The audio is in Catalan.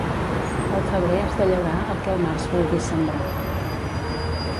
Pel febrer has de llaurar el que el març vulguis sembrar.